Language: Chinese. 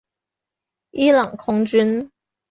伊朗空军。